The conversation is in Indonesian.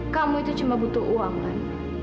kamu itu cuma butuh uang kan